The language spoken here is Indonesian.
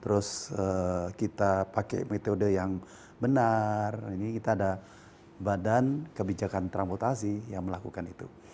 terus kita pakai metode yang benar ini kita ada badan kebijakan transportasi yang melakukan itu